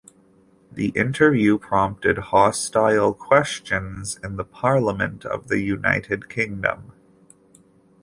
The interview prompted hostile questions in the Parliament of the United Kingdom.